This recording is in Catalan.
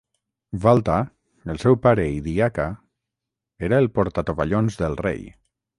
Walter, el seu pare i diaca, era el portatovallons del rei.